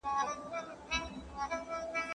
¬ کشکي دا اول عقل اخير واى.